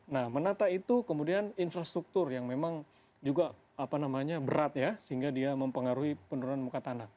nah menata itu kemudian infrastruktur yang memang juga berat ya sehingga dia mempengaruhi penurunan muka tanah